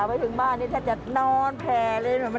ในช่วงแรกที่คุณยายลองขายครับ